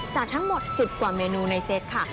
จากทั้งหมด๑๐กว่าเมนูในเซตค่ะ